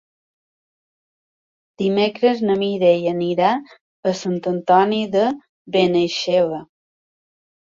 Dimecres na Mireia anirà a Sant Antoni de Benaixeve.